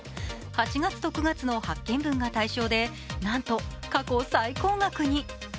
８月と９月の発券分が対象でなんと過去最高額に。